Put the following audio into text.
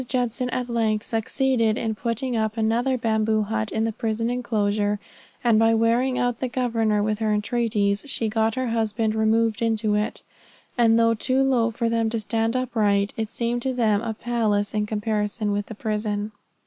Judson at length succeeded in putting up another bamboo hut in the prison enclosure, and by wearing out the governor with her entreaties, she got her husband removed into it, and though too low for them to stand upright, it seemed to them a palace in comparison with the prison.